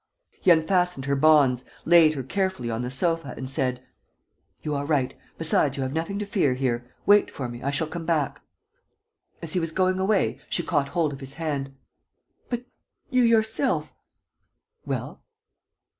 ..." He unfastened her bonds, laid her carefully on the sofa and said: "You are right. ... Besides, you have nothing to fear here. ... Wait for me, I shall come back." As he was going away, she caught hold of his hand: "But you yourself?" "Well?"